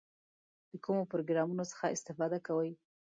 د کومو پروګرامونو څخه استفاده کوئ؟